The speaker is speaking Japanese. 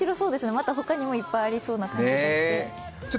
また他にもいっぱいありそうな感じがして。